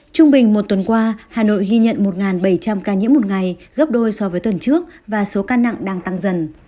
trung bình một tuần qua hà nội ghi nhận một bảy trăm linh ca nhiễm một ngày gấp đôi so với tuần trước và số ca nặng đang tăng dần